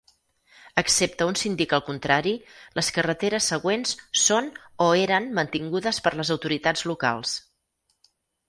Excepte on s'indica el contrari, les carreteres següents són o eren mantingudes per les autoritats locals.